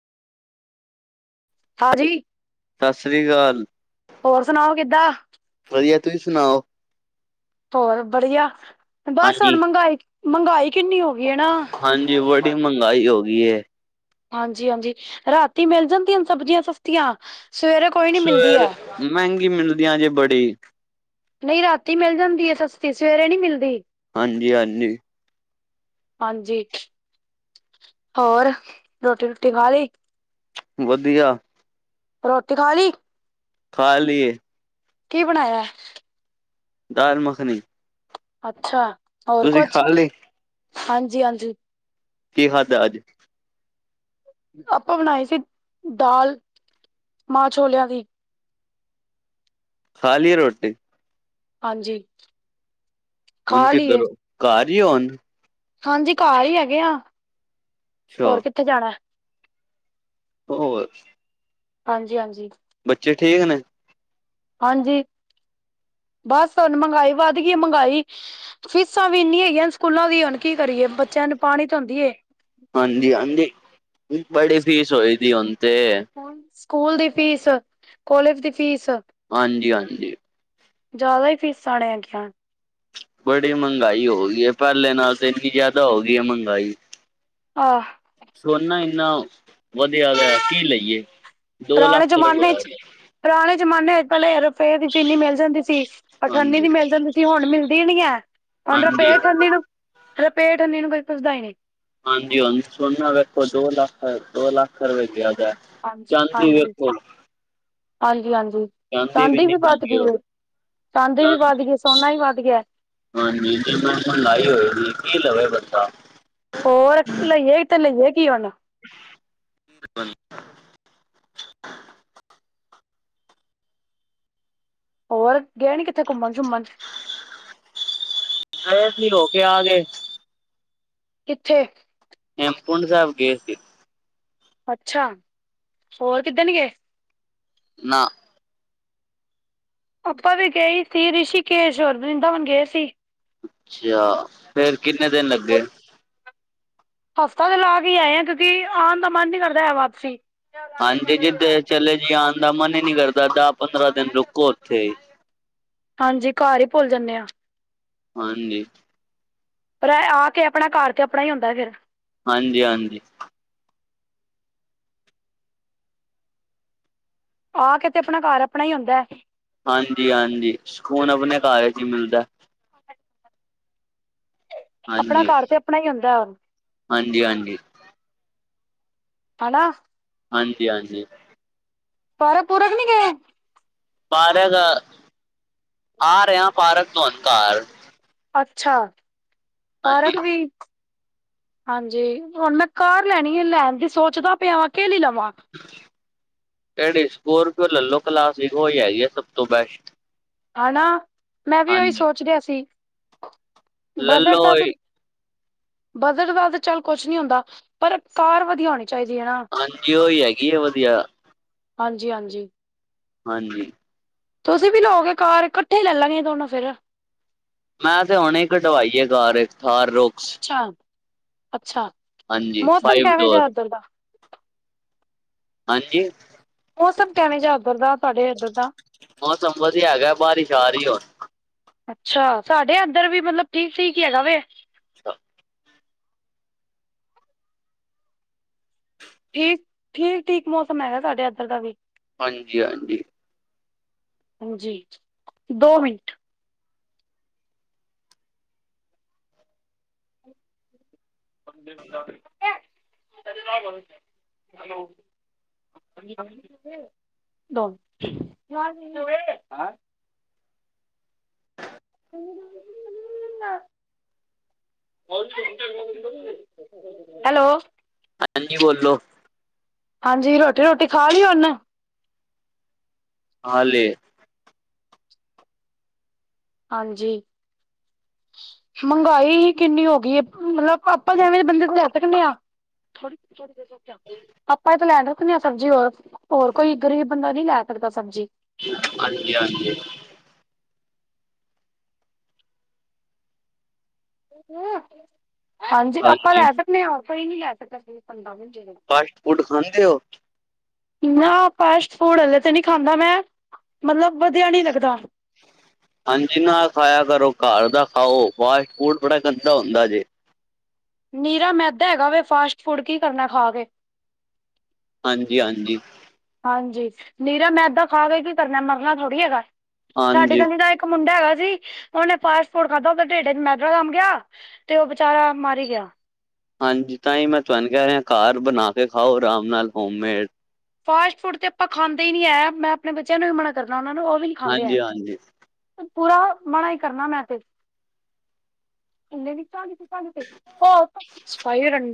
ਹਾਂਜੀ। ਸਤਿ ਸ੍ਰੀ ਅਕਾਲ। ਹੋਰ ਸੁਣਾਓ ਕਿੱਦਾਂ ਵਧੀਆ, ਤੁਸੀਂ ਸੁਣਾਓ? ਹੋਰ ਵਧੀਆ। ਬਸ ਹੁਣ ਹਾਂਜੀ ਮਹਿੰਗਾਈ- ਮਹਿੰਗਾਈ ਕਿੰਨੀ ਹੋ ਗਈ ਹੈ। ਨਾ ਹਾਂਜੀ। [unintelligible] ਮਹਗਾਈ ਹੋ ਗਈ ਐ। ਹਾਂਜੀ-ਹਾਂਜੀ, ਰਾਤੀ ਮਿਲ ਜਾਂਦੀਆਂ ਸਬਜ਼ੀਆਂ ਸਸਤੀਆਂ ਸਵੇਰੇ ਕੋਈ ਨੀ ਮਿਲਦੀ ਸਵੇਰ ਹੈ ਮਹਿੰਗੀ ਮਿਲਦੀਆਂ ਜੀ, ਬੜੀ ਨਹੀਂ ਰਾਤੀ ਮਿਲ ਜਾਂਦੀ ਹੈ। ਸਸਤੀ, ਸਵੇਰੇ ਨੀ ਮਿਲਦੀ ਹਾਂਜੀ- ਹਾਂਜੀ। ਹਾਂਜੀ। ਹੋਰ ਰੋਟੀ ਰੂਟੀ ਖਾ ਲਈ? ਵਧੀਆ। ਰੋਟੀ ਖਾ ਲਈ? ਖਾ ਲਈਏ। ਕੀ ਬਣਾਇਆ ਐ? ਦਾਲ-ਮੱਖਣੀ। ਅੱਛਾ, ਹੋਰ ਕੁਛ। ਖਾ ਲਈ ਹਾਂਜੀ-ਹਾਂਜੀ। ਕੀ ਖਾਧਾ ਅੱਜ? ਆਪਾਂ ਬਣਾਈ ਸੀ, ਦਾਲ ਮਾਂਹ-ਛੋਲਿਆਂ ਦੀ। ਖਾਲੀ ਏ ਰੋਟੀ? ਹਾਂਜੀ। ਖਾ ਲਈਏ [unintelligible] ਹਾਂਜੀ, ਘਰ ਹੀ ਹੈਗੇ ਆ। ਅੱਛਾ ਹੋਰ ਕਿੱਥੇ ਜਾਣਾ? ਹੋਰ। ਹਾਂਜੀ-ਹਾਂਜੀ। ਬੱਚੇ ਠੀਕ ਨੇ? ਹਾਂਜੀ, ਬਸ ਹੁਣ ਮਗਾਈ ਵੱਧ ਗਈ। ਮੰਗਾਈ ਫੀਸਾਂ ਵੀ ਇੰਨੀ ਹੈਗੀਆਂ ਨੇ ਸਕੂਲਾਂ ਦੀ, ਹੁਣ ਕੀ ਕਰੀਏ? ਬੱਚਿਆਂ ਨੂੰ [unintelligible] ਹਾਂਜੀ-ਹਾਂਜੀ। ਬੜੀ ਫੀਸ ਹੋਈ ਦੀ ਹੁਣ ਤੇ ਹੁਣ ਸਕੂਲ ਦੀ ਫੀਸ, ਕੋਲੇਜ ਦੀ ਫੀਸ ਹਾਂਜੀ-ਹਾਂਜੀ। ਜ਼ਿਆਦਾ ਹੀ ਫੀਸਾਂ ਨੇ ਹੈਗੀਆਂ। ਬੜੀ ਮਹਿੰਗਾਈ ਹੋ ਗਈ ਹੈ। ਪਹਿਲੇ ਨਾਲ ਤੇ ਇੰਨੀ ਜ਼ਿਆਦਾ ਹੋ ਗਈ ਹੈ ਮਹਿੰਗਾਈ। ਆਹ। ਸੋਨਾ ਇੰਨਾ ਵਧਿਆ ਗਿਆ, ਕੀ ਲਈਏ ਦੋ ਲੱਖ ਪੁਰਾਣੇ ਜ਼ਮਾਨੇ ਚ [unintelligible] ਪੁਰਾਣੇ ਜ਼ਮਾਨੇ ਚ ਪਹਿਲੇ [unintelligible] ਚੀਨੀ ਮਿਲ ਜਾਂਦੀ ਸੀ, ਅਠੰਨੀ ਹਾਂਜੀ ਵੀ ਮਿਲ ਜਾਂਦੀ ਸੀ। ਹੁਣ ਮਿਲਦੀ ਨੀਂ ਐ, ਹੁਣ ਹਾਂਜੀ ਰੁਪੇ ਅਠੰਨੀ ਨੂੰ ਰੁਪੇ ਅਠੱਨੀਂ ਨੂੰ ਕੋਈ ਪੁਛਦਾ ਈ ਨੀਂ। ਹਾਂਜੀ ਹਾਂਜ, ਓ ਸੋਨਾ ਵਖੋ, ਦੋ ਲੱਖ, ਦੋ ਲੱਖ ਰੁਪੈ ਚ ਹੈਗਾ। ਹਾਂਜੀ ਹਾਂਜੀ, ਹਾਂਜੀ ਹਾਂਜੀ। ਚਾਂਦੀ ਇੰਨੀ ਵੀ ਵੱਧ ਮਹਿੰਗੀ ਗੀ ਹੋ ਏ, ਚਾਂਦੀ ਵੀ ਵੱਧ ਗੀ ਏ ਸੋਨਾ ਵੀ ਵੱਧ ਗਿਆ। ਹਾਂਜੀ, [unintelligible] ਲਾਈ ਹੋਏ ਗੀ ਕੀ ਲਵੇ ਬੰਦਾ ਹੋਰ ਲਈਏ ਤੇ ਲਈਏ ਕੀ ਹੁਣ। [inaudible] ਹੋਰ ਗਏ ਨੀਂ ਕਿੱਥੇ ਘੁੰਮਣ-ਸ਼ੁਮਣ ਗਏ ਸੀ, ਰੋ ਕੇ ਆ ਗੇ। ਕਿੱਥੇ? ਪੋਂ ਪੁੰਡ ਸਾਹਿਬ ਗੇ ਸੀ। ਅੱਛਾ। ਹੋਰ ਕਿੱਦੇ ਨੀਂ ਗੇ? ਨਾਂ। ਆਪਾਂ ਵੀ ਗਏ ਈ ਸੀ ਰਿਸ਼ੀਕੇਸ਼ ਹੋਰ ਵਰਿੰਦਾਵਨ ਗੇ ਸੀ। ਅੱਛਾ, ਫੇਰ ਕਿੰਨੇ ਦਿਨ ਲੱਗੇ। ਹਫ਼ਤਾ ਤਾਂ ਲਾ ਕੇ ਈ ਆਏ ਆਂ ਕਿਉਂਕਿ ਆਣ ਦਾ ਮਨ ਨੀਂ ਕਰਦਾ ਐ ਵਾਪਸੀ। ਹਾਂਜੀ ਜਿਦ ਚਲੇ ਜੀ ਆਣ ਦਾ ਮਨ ਈ ਨੀਂ ਕਰਦਾ, ਦਸ-ਪੰਦਰਾਂ ਦਿਨ ਰੁਕੋ ਉੱਥੇ ਈ। ਹਾਂਜੀ ਘਰ ਈ ਭੁੱਲ ਜਾਂਣੇ ਆਂ। ਹਾਂਜੀ। ਪਰ ਐ ਆ ਕੇ ਅਪਣਾ ਘਰ ਤੇ ਅਪਣਾ ਈ ਹੁੰਦਾ ਫਿਰ। ਹਾਂਜੀ ਹਾਂਜੀ। ਆ ਕੇ ਤੇ ਅਪਣਾ ਘਰ ਆਪਣਾ ਈ ਹੁੰਦਾ ਐ। ਹਾਂਜੀ ਹਾਂਜੀ, ਸਕੂਨ ਆਪਣੇ ਘਰ ਚ ਈ ਮਿਲਦਾ। ਆਪਣਾ ਘਰ ਤੇ ਆਪਣਾ ਈ ਹੁੰਦਾ ਐ। ਹਾਂਜੀ ਹਾਂਜੀ। ਹਨਾਂ? ਹਾਂਜੀ ਹਾਂਜੀ। ਪਾਰਕ-ਪੂਰਕ ਨੀ ਗੇ? ਪਾਰਕ, ਆ ਰਿਆ ਪਾਰਕ ਤੋਂ ਉਣ ਘਾਰ। ਅੱਛਾ, ਹਾਂਜੀ ਪਾਰਕ ਵੀ। ਹਾਂਜੀ, ਹੁਣ ਮੈਂ ਕਾਰ ਲੈਣੀ ਐ, ਲੈਣ ਦੀ ਸੋਚਦਾ ਪਿਆ ਵਾਂ ਕੇ ਲੀ ਲਵਾਂ। ਕੇੜੀ ਸਕੋਰਪੀਓ ਲੱਲੋ, ਕਲਾਸੀ ਓਈ ਹੈਗੀ ਏ ਸਭ ਤੋਂ ਬੈਸਟ। ਹੈਨਾਂ, ਮੈਂ ਵੀ ਓਈ ਹਾਂਜੀ ਸੋਚ ਰਿਆ ਸੀ। ਲੈਲੋ ਬਦੜਦਾ ਤੇ ਉਹੀ ਬਦਟ ਦਾ ਤੇ ਚੱਲ ਕੁਛ ਨੀਂ ਹੁੰਦਾ, ਪਰ ਕਾਰ ਵਧੀਆ ਹੋਣੀ ਚਾਈਦੀ ਐਨਾਂ। ਹਾਂਜੀ, ਓਈ ਹੈਗੀ ਏ ਵਧੀਆ। ਹਾਂਜੀ ਹਾਂਜੀ। ਹਾਂਜੀ। ਤੁਸੀਂ ਵੀ ਲੋਗੇ ਕਾਰ ਕੱਠੇ ਈ ਲੱਲਾਂਗੇ ਦੋਨੋਂ ਫਿਰ। ਮੈਂ ਤੇ ਹੁਣੇ ਕਢਵਾਈ ਐ ਕਾਰ ਇੱਕ ਥਾਰ ਰੋਕਸ ਅੱਛਾ, ਅੱਛਾ। ਹਾਂਜੀ ਮੌਸਮ ਫਾਈਵ ਕੇਵੇਂ ਡੋਰ ਜਿਆ ਉੱਧਰ ਦਾ ਹਾਂਜੀ? ਮੌਸਮ ਕੈਵੇਂ ਜਿਆ ਉੱਧਰ ਦਾ ਤੁਆਡੇ ਇੱਧਰ ਦਾ। ਮੌਸਮ ਵਧੀਆ ਹੈਗਾ, ਬਾਰਿਸ਼ ਆ ਰੀ ਹੁਣ। ਅੱਛਾ ਸਾਡੇ ਇੱਧਰ ਵੀ ਮਤਲਬ ਠੀਕ ਠੀਕ ਹੈਗਾ ਵ ਠੀਕ ਠੀਕ ਠੀਕ ਮੌਸਮ ਹੈਗਾ ਸਾਡੇ ਇੱਧਰ ਦਾ ਵੀ ਹਾਂਜੀ ਹਾਂਜੀ ਜੀ ਜੀ ਦੋ ਮਿੰਟ ਹੈਲੋ ੋ [unintelligible] ਹੈਲੋ। ਅਤਨ ਜੀ ਬੋਲੋਂ। ਹਾਂਜੀ, ਰੋਟੀ ਰੂਟੀ ਖਾ ਲਈ ਹੁਨ? ਖਾ ਲਈ ਏ ਹਾਂਜੀ, ਮਹਿੰਗਾਈ ਹੀ ਕਿੰਨੀ ਹੋ ਗਈ ਐ। ਮਤਲਬ ਪਾਪਾ ਕਹਿੰਦੇ ਬੰਦੇ ਕੋਲ ਜਾ ਸਕਦੇ ਆ। ਆਪਾਂ ਇਹ ਤਾਂ ਲੈ ਸਕਨੇ ਆ, ਸਬਜ਼ੀ ਹੋਰ ਹੋਰ ਕੋਈ ਗ਼ਰੀਬ ਬੰਦਾ ਨੀ ਲੈ ਸਕਦਾ ਸਬਜ਼ੀ। ਹਾਂਜੀ ਹਾਂਜੀ। ਹਾਂਜੀ ਆਪਾਂ ਲੈ ਸਕਦੇ ਹਾਂ ਕੋਈ ਨੀ ਲੈ ਸਕਦਾ ਪੰਦਰਾਂ ਮਹੀਟੇ ਦੇ [inaudible] ਫਾਸਟ ਫੂਡ ਖਾਂਦੇ ਔ ਨਾ ਫਾਸਟ ਫੂਡ ਹਲੇ ਤੇ ਨੀ ਖਾਂਦਾ ਮੈਂ, ਮਤਲਬ ਵਧੀਆ ਨੀ ਲੱਗਦਾ। ਹਾਂਜੀ ਨਾਲ ਖਾਇਆ ਕਰੋ, ਘਰ ਦਾ ਖਾਓ ਫਾਸਟ ਫੂਡ ਬੜਾ ਗੰਦਾ ਹੁੰਦਾ ਜੇ। ਨੀਰਾ ਮੈਦਾ ਹੈਗਾ ਵੇ ਫਾਸਟ ਫੂਡ ਕੀ ਕਰਨਾ ਖਾਕੇ। ਹਾਂਜੀ ਹਾਂਜੀ। ਹਾਂਜੀ ਨੀਰਾ ਮੈਂਦਾ ਖਾ ਕੇ ਕੀ ਕਰਨੇ, ਮਰਨਾ ਥੋੜ੍ਹੀ ਹੈਗਾ, ਸਾਡੇ ਹਾਂਜੀ ਕਨੀ ਤਾਂ ਇੱਕ ਮੁੰਡਾ ਹੈਗਾ ਸੀ, ਉਹਨੇ ਫਾਸਟ ਫੂਡ ਖਾਧਾ, ਉਹਦੇ ਢਿੱਡ ਚ ਮੈਦਾ ਜੰਮ ਗਿਆ। ਤੇ ਉਹ ਵਿਚਾਰਾ ਮਾਰ ਈ ਗਿਆ। ਹਾਂਜੀ ਤਾਂ ਹੀ ਮੈਂ ਤੁਹਾਨੂੰ ਕਹਿ ਰਿਹਾ, ਘਰ ਬਣਾ ਕੇ ਖਾਓ ਰਾਮ ਨਾਲ ਹੋਮਮੇਡ ਫਾਸਟ ਫੂਡ ਤੇ ਆਪਾਂ ਖਾਂਦੇ ਹੀ ਨੀ ਹੈ, ਮੈਂ ਆਪਣੇ ਬੱਚਿਆਂ ਨੂੰ ਵੀ ਮਨਾ ਕਰਨਾ, ਉਹਨਾਂ ਨੂੰ ਉਹ ਵੀ ਨੀ ਖਾਂਦੇ ਹੈ। ਹਾਂਜੀ ਹਾਂਜੀ ਉਹ ਪੂਰਾ ਮਣਾ ਹੀ ਕਰਨਾ ਮੈਂ ਤੇ, ਇਹਦੇ ਵਿੱਚ ਕ ਸਾਈ ਰ [inaudible]